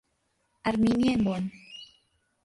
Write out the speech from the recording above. Arminia en Bonn.